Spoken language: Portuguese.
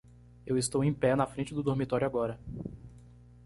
Eu estou em pé na frente do dormitório agora.